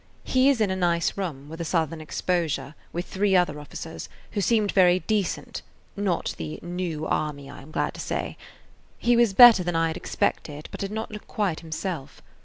He is in a nice room, with a southern exposure, with three other officers, who seemed very decent (not the "new army," I am glad to say). He was better than I had expected, but did not look quite himself.